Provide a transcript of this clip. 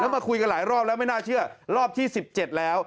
มาคุยกันหลายรอบแล้วไม่น่าเชื่อรอบที่๑๗แล้ว